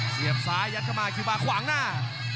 เสียบซ้ายยัดบอกมาคือคว่างหน้า